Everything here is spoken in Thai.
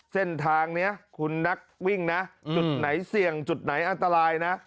เส้นทางนี้คุณนักวิ่งนะจุดไหนเสี่ยงจุดไหนอันตรายนะ